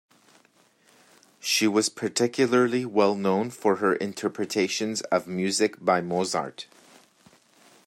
She was particularly well known for her interpretations of music by Mozart.